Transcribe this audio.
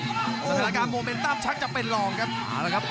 สถานการณ์โมเมนทัพชักจะเป็นลองครับ